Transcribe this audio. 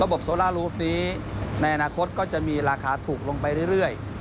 โซล่ารูฟนี้ในอนาคตก็จะมีราคาถูกลงไปเรื่อย